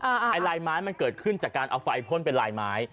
ไอ้ลายไม้มันเกิดขึ้นจากการเอาไฟพ่นเป็นลายไม้